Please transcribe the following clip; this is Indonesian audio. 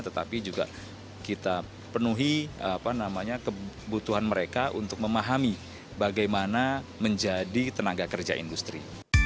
tetapi juga kita penuhi kebutuhan mereka untuk memahami bagaimana menjadi tenaga kerja industri